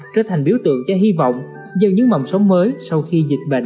trở thành biểu tượng cho hy vọng dân những mầm sống mới sau khi dịch bệnh